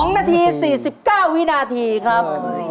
๒นาที๔๙วินาทีครับ